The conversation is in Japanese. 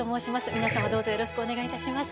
皆様どうぞよろしくお願いいたします。